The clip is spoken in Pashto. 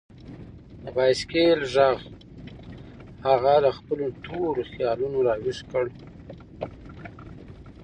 د بایسکل غږ هغه له خپلو تورو خیالونو راویښ کړ.